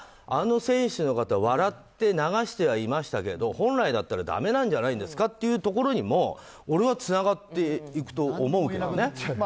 あの選手の方笑って流してはいましたけど本来だったらだめなんじゃないですかっていうところにも俺はつながっていくと思うけどね。